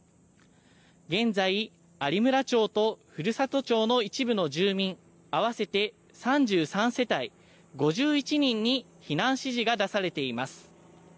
現在、有村町と古里町の一部の住民、合わせて３３世帯５１人に避難指示が出されています。